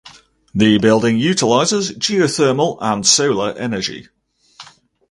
The building utilizes geothermal and solar energy.